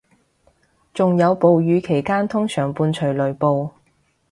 仲有暴雨期間通常伴隨雷暴